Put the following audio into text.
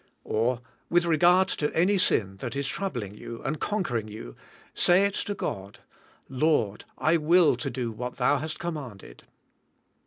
Or, with reg ard to any sin that is troubling* you and conquering you, say it to God, "Lord, I will to do what Thou hast commanded."